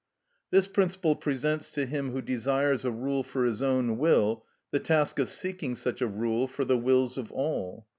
This principle presents to him who desires a rule for his own will the task of seeking such a rule for the wills of all.